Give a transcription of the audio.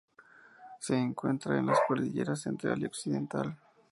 Se encuentra en las cordilleras Central y Occidental.